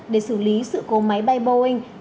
để xử lý sự cố máy bay boeing